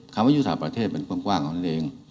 คำว่ายุทธศาสตร์ประเทศเป็นความกว้างของนั่นเอง